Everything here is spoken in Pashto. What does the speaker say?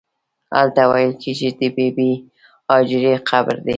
هلته ویل کېږي د بې بي هاجرې قبر دی.